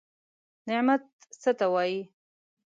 نعت څه ته وايي؟